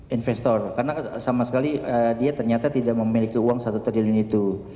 investor karena sama sekali dia ternyata tidak memiliki uang satu triliun itu